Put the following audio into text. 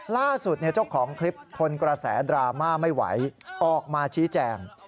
เจ้าของคลิปทนกระแสดราม่าไม่ไหวออกมาชี้แจง